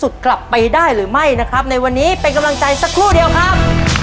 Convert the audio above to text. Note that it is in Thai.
กลับไปได้หรือไม่นะครับในวันนี้เป็นกำลังใจสักครู่เดียวครับ